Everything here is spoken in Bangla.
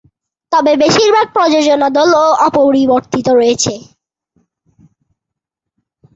তবে বেশিরভাগ প্রযোজনা দল অপরিবর্তিত রয়েছে।